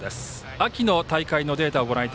秋の大会のデータです。